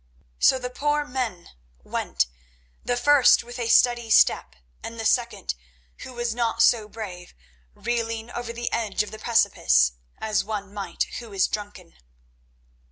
So the poor men went, the first with a steady step, and the second, who was not so brave, reeling over the edge of the precipice as one might who is drunken.